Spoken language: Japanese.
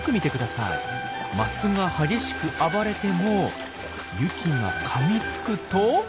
マスが激しく暴れてもユキがかみつくと。